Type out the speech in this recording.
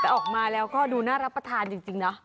แต่ออกมาแล้วก็ดูน่ารับประทานจริงเนาะ